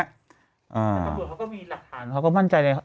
เขาก็มั่นใจเลย